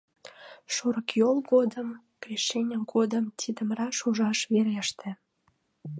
Шорыкйол годым, Крешене годым тидым раш ужаш вереште.